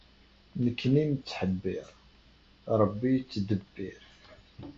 Nekni nettḥebbir, Rebbi yettdebbir.